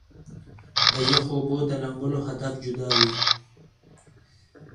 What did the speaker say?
د يخو اوبو د لامبلو هدف جدا وي -